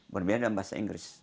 berbeda dalam bahasa inggris